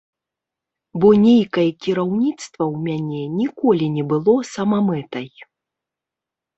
Бо нейкае кіраўніцтва ў мяне ніколі не было самамэтай.